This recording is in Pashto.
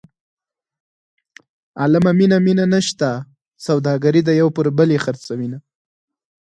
عالمه مینه مینه نشته سوداګري ده یو پر بل یې خرڅوینه.